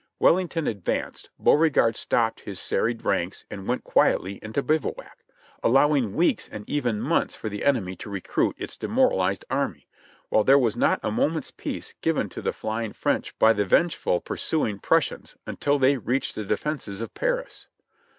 Wellington advanced ; Beauregard stopped his serried ranks and went quietly into bivouac, allowing weeks and even months for the enemy to recruit its demoralized army, while there was not a moment's peace given to the flying French by the vengeful, pursuing Prussians, until they reached the de fenses of Paris.